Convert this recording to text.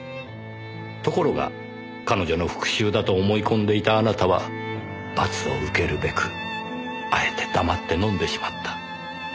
ところが彼女の復讐だと思い込んでいたあなたは罰を受けるべくあえて黙って飲んでしまった。